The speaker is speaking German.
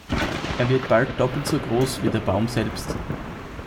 Er wird bald doppelt so groß wie der Baum selbst.